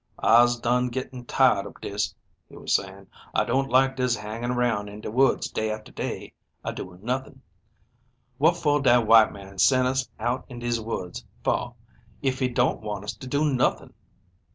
"I'se done getting tired ob dis," he was saying. "I don't like dis hangin' around in de woods day atter day adoing nothin'. What for dat white man send us out in dese woods foah if he don't want us to do nothin'?"